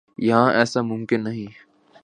یہاں ایسا ممکن نہیں۔